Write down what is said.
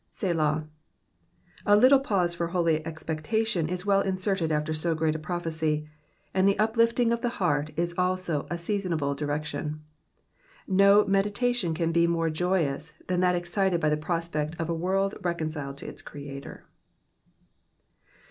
^'Selah.''^ A little pause for holy expectation is well inserted after so great a prophecy, and the uplifting of the heart is also a seasonable direction. No meditation can be more joyous than that excited by the prospect of a world reconciled to its Creator.